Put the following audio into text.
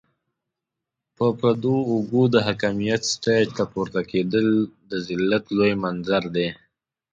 پر پردو اوږو د حاکميت سټېج ته پورته کېدل د ذلت لوی منظر دی.